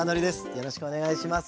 よろしくお願いします。